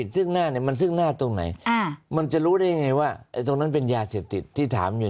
ซึ่งหน้าตรงไหนอ่ามันจะรู้ได้ยังไงว่าตรงนั้นเป็นยาเสียบติดที่ถามอยู่